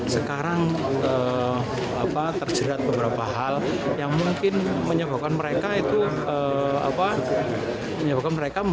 sekarang terjerat beberapa hal yang mungkin menyebabkan mereka